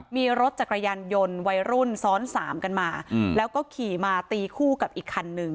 มีรถจักรยานยนต์วัยรุ่นซ้อนสามกันมาแล้วก็ขี่มาตีคู่กับอีกคันหนึ่ง